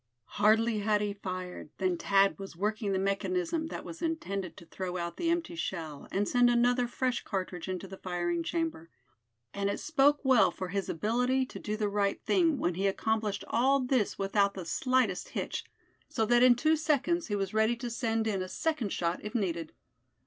Hardly had he fired than Thad was working the mechanism that was intended to throw out the empty shell, and send another fresh cartridge into the firing chamber; and it spoke well for his ability to do the right thing when he accomplished all this without the slightest hitch; so that in two seconds he was ready to send in a second shot if needed.